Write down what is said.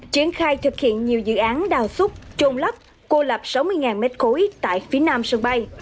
triển khai thực hiện nhiều dự án đào xúc trôn lấp cô lập sáu mươi m ba tại phía nam sân bay